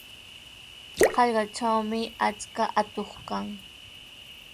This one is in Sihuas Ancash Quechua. Hallqatrawmi achka atuq kan.